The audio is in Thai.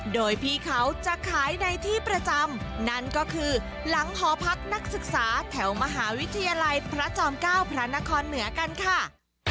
โดยพี่เขาจะขายในที่ประจำนั่นก็คือหลังหอพักนักศึกษาแถวมหาวิทยาลัยพระจอมเก้าพระนครเหนือกันค่ะ